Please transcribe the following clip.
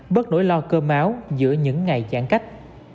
bớt nỗi lo cơ máu giữa những ngày giãn cách